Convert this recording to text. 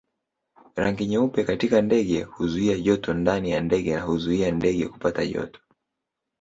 Rangi nyeupe katika ndege huzuia joto ndani ya ndege na huizuia ndege kupata joto